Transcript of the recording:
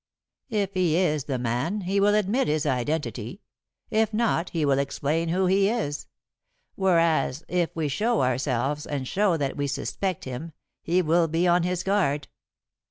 If he is the man he will admit his identity, if not, he will explain who he is. Whereas if we show ourselves and show that we suspect him, he will be on his guard.